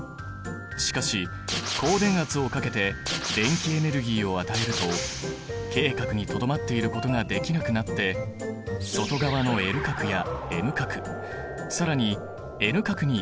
しかし高電圧をかけて電気エネルギーを与えるとＫ殻にとどまっていることができなくなって外側のＬ殻やＭ殻更にＮ殻に移動してしまうんだ。